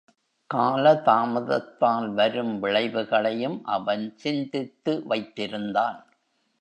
காலதாமதத்தால் வரும் விளைவுகளையும் அவன் சிந்தித்து வைத்திருந்தான்.